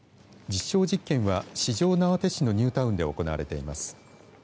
実証実験は四条畷市のニュータウンで行われています。